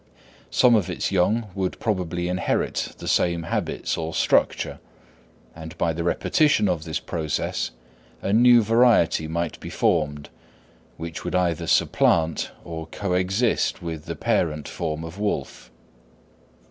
Some of its young would probably inherit the same habits or structure, and by the repetition of this process, a new variety might be formed which would either supplant or coexist with the parent form of wolf.